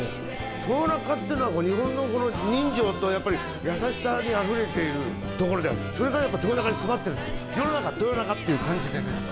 豊中っていうのは日本の人情とやっぱり優しさにあふれている所でそれが豊中に詰まっているって世の中豊中っていう感じでねうん！